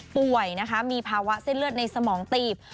ป่วยนะคะมีภาวะเส้นเลือดในสมองตีบ